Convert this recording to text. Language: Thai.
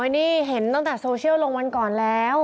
นี่เห็นตั้งแต่โซเชียลลงวันก่อนแล้ว